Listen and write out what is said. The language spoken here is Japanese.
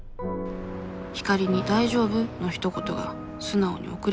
光莉に「大丈夫？」のひと言が素直に送れない問題。